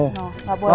tuh nggak mau ya